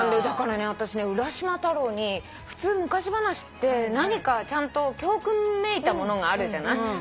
だからね私ね『浦島太郎』に普通昔話って何かちゃんと教訓めいたものがあるじゃない？